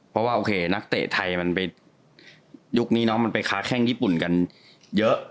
เพราะว่าโอเคนักเตะไทยมันไปยุคนี้เนาะมันไปค้าแข้งญี่ปุ่นกันเยอะ